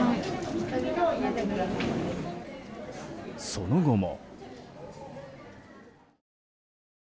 その後も。